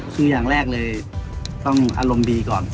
คืออย่างแรกเลยต้องอารมณ์ดีก่อน